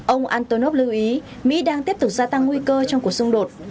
ông antonov lưu ý mỹ đang tiếp tục gia tăng nguy cơ trong cuộc xung đột